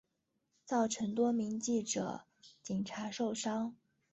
造成多名记者警察受伤